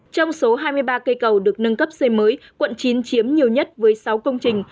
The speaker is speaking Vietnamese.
trong số hai mươi ba cây cầu được nâng cấp xây mới quận chín chiếm nhiều nhất với sáu công trình